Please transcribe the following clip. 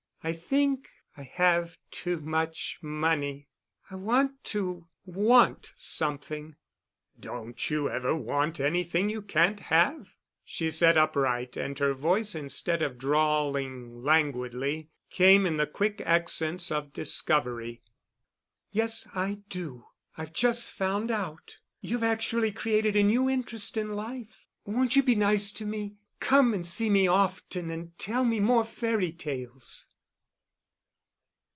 I think I have too much money. I want to want something." "Don't you ever want anything you can't have?" She sat upright, and her voice, instead of drawling languidly, came in the quick accents of discovery. "Yes, I do. I've just found out. You've actually created a new interest in life. Won't you be nice to me? Come and see me often and tell me more fairy tales."